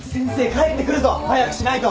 帰ってくるぞ早くしないと！